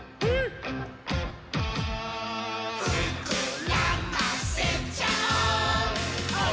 「ふくらませちゃおー！」